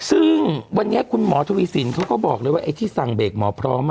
ซึ่งวันนี้คุณหมอทวีสินเขาก็บอกเลยว่าไอ้ที่สั่งเบรกหมอพร้อม